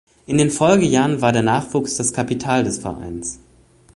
In den Folgejahren war der Nachwuchs das Kapital des Vereins.